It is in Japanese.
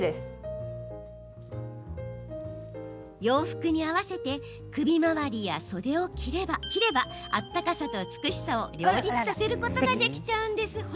洋服に合わせて首回りや袖を切ればあったかさと美しさを両立させることができちゃうんです。